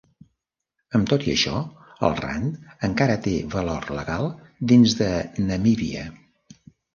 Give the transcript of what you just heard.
Amb tot i això, el rand encara té valor legal dins de Namíbia.